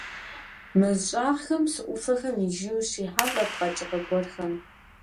Мэз щӀагъхэм, псы Ӏуфэхэм иджыри ущрихьэлӀэрт къэкӀыгъэ гуэрхэм.